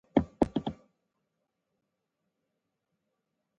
د وینو قصابانو پر ضد غږ پورته کړئ.